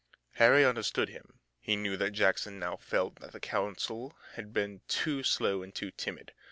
Harry understood him. He knew that Jackson now felt that the council had been too slow and too timid.